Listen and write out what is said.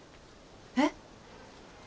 えっ？